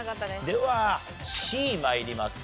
ではＣ参ります。